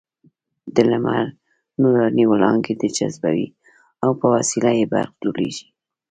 د لمر نوراني وړانګې جذبوي او په وسیله یې برق جوړېږي.